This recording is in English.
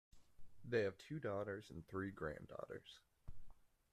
They have two daughters and three granddaughters.